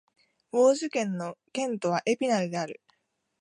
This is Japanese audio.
ヴォージュ県の県都はエピナルである